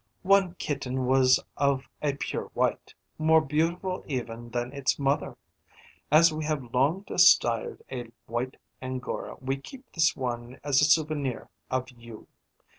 One kitten was of a pure white, more beautiful even than its mother. As we have long desired a white angora, we keep this one as a souvenir of you.